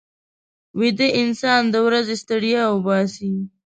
ویده انسان د ورځې ستړیا وباسي